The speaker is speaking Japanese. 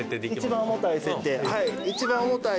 一番重たい設定はい。